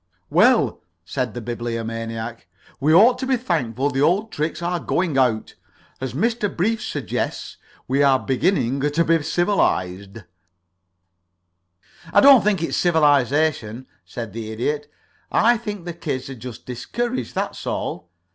"Well," said the Bibliomaniac, "we ought to be thankful the old tricks are going out. As Mr. Brief suggests, we are beginning to be civilized " "I don't think it's civilization," said the Idiot. "I think the kids are just discouraged, that's all.